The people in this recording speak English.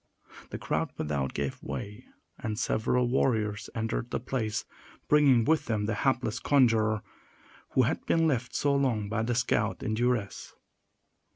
The crowd without gave way, and several warriors entered the place, bringing with them the hapless conjurer, who had been left so long by the scout in duress.